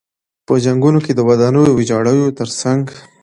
په جنګونو کې د ودانیو ویجاړیو تر څنګ.